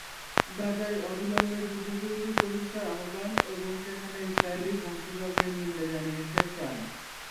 গাজায় অবিলম্বে যুদ্ধবিরতি প্রতিষ্ঠার আহ্বান এবং সেখানে ইসরায়েলি ধ্বংসযজ্ঞের নিন্দা জানিয়েছে ফ্রান্স।